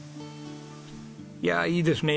いやあいいですね。